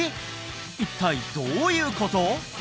一体どういうこと？